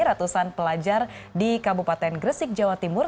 ratusan pelajar di kabupaten gresik jawa timur